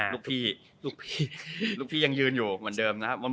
ลูกพี่ยังยืนอยู่เหมือนเดิมนะครับ